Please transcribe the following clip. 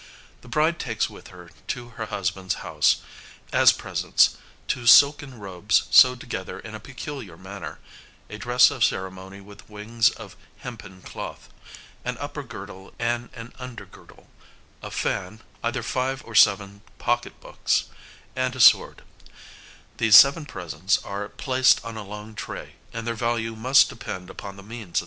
The bride takes with her to her husband's house, as presents, two silken robes sewed together in a peculiar manner, a dress of ceremony with wings of hempen cloth, an upper girdle and an under girdle, a fan, either five or seven pocket books, and a sword: these seven presents are placed on a long tray, and their value must depend upon the means of the family.